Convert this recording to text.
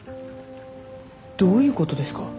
どういうことですか？